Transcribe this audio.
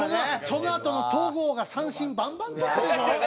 そのあとの戸郷が三振バンバンとったでしょ？